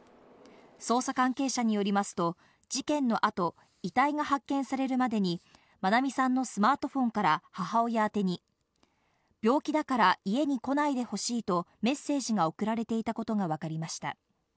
捜査関係者によりますと事件の後、遺体が発見されるまでに愛美さんのスマートフォンから母親宛に病気だから家に来ないでほしいとメッセージが送られていたことがわかりました。